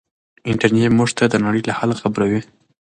انټرنيټ موږ ته د نړۍ له حاله خبروي.